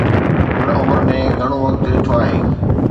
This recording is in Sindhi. هن عمر ۾ گهڻو وقت ڏٺو آهي.